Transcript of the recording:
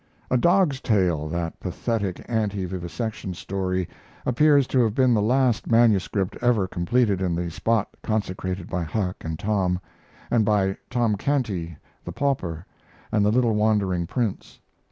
'A Dog's Tale' that pathetic anti vivisection story appears to have been the last manuscript ever completed in the spot consecrated by Huck and Tom, and by Tom Canty the Pauper and the little wandering Prince.